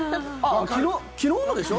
昨日のでしょ？